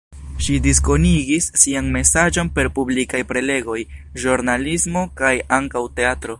Ŝi diskonigis sian mesaĝon per publikaj prelegoj, ĵurnalismo kaj ankaŭ teatro.